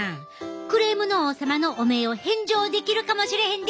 クレームの王様の汚名を返上できるかもしれへんで！